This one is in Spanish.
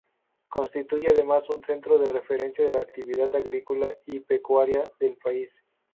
Constituye además un centro de referencia de la actividad agrícola y pecuaria del país.